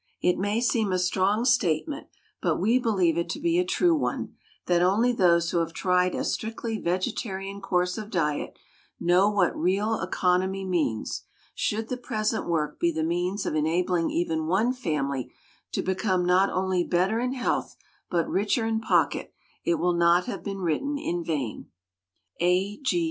It may seem a strong statement, but we believe it to be a true one, that only those who have tried a strictly vegetarian course of diet know what real economy means. Should the present work be the means of enabling even one family to become not only better in health but richer in pocket, it will not have been written in vain. A.G.